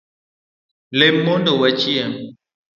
Lem mondo wachiem